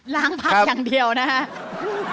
พักอย่างเดียวนะครับ